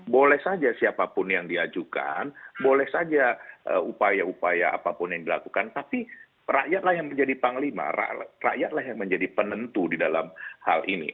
boleh saja siapapun yang diajukan boleh saja upaya upaya apapun yang dilakukan tapi rakyatlah yang menjadi panglima rakyatlah yang menjadi penentu di dalam hal ini